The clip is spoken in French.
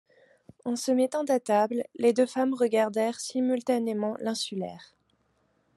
En se mettant à table, les deux femmes regardèrent simultanément l’insulaire.